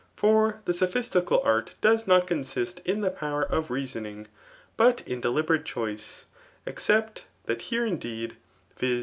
¥6r die sophisdcal art does Apt consist m the power [of reasonii^,] but m deliberabe choice; escape that here mdeed [yiz.